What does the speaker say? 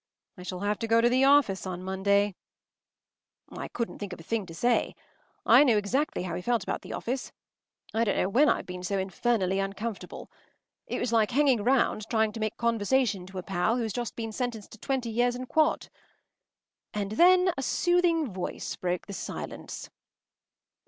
I shall have to go to the office on Monday.” I couldn’t think of a thing to say. I knew exactly how he felt about the office. I don’t know when I’ve been so infernally uncomfortable. It was like hanging round trying to make conversation to a pal who’s just been sentenced to twenty years in quod. And then a soothing voice broke the silence.